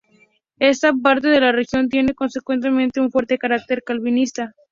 Esta parte de la región tiene consecuentemente, un fuerte carácter calvinista.